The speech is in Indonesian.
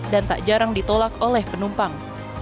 tak jarang ditolak oleh penumpang